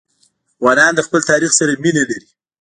افغانان د خپل تاریخ سره مینه لري.